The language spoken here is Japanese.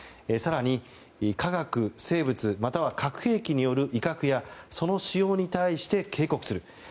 さらに科学・生物または核兵器による威嚇やその使用に対して警告する。